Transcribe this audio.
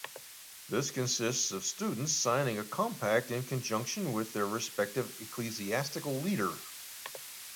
This consists of students signing a compact in conjunction with their respective ecclesiastical leader.